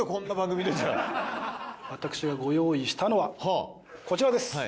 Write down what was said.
私がご用意したのはこちらです！